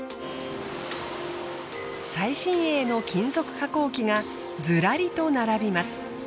最新鋭の金属加工機がずらりと並びます。